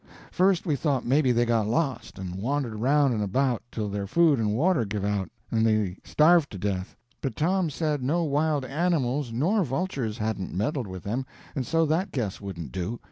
First we thought maybe they got lost, and wandered around and about till their food and water give out and they starved to death; but Tom said no wild animals nor vultures hadn't meddled with them, and so that guess wouldn't do.